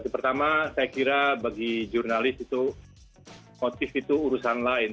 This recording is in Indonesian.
pertama saya kira bagi jurnalis itu motif itu urusan lain